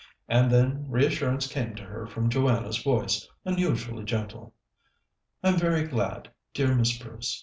And then reassurance came to her from Joanna's voice, unusually gentle. "I'm very glad, dear Miss Bruce.